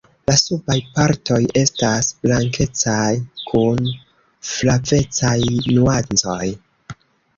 La subaj partoj estas blankecaj kun flavecaj nuancoj.